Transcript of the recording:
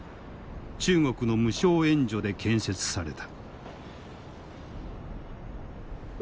中国の無償援助で建設された。